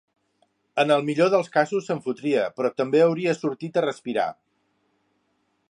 En el millor dels casos se'n fotria, però també hauria sortit a respirar.